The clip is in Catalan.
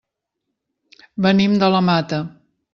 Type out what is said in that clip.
Venim de la Mata.